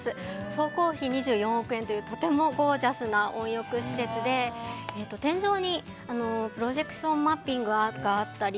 総工費２４億円というとてもゴージャスな温浴施設で天井にプロジェクションマッピングがあったり